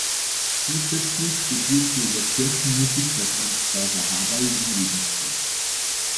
Zusätzlich studierte er Kirchenmusik bei Franz Xaver Haberl in Regensburg.